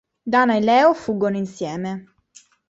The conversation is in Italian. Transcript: Dana e Leo fuggono insieme.